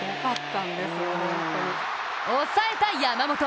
抑えた山本。